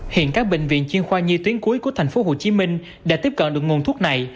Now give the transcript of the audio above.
hiện các bệnh viện chiê khoa nhi tuyến cuối của tp hcm đã tiếp cận được nguồn thuốc này